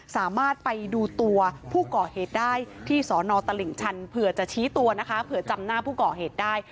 สามารถไปดูตัวผู้ก่อเหตุได้ที่สอนอตลิ่งชันเผื่อจะชี้ตัวนะคะเผื่อจำหน้าผู้ก่อเหตุได้